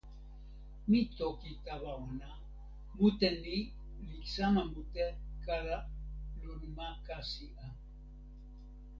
mi toki tawa ona: "mute ni li sama mute kala lon ma kasi a."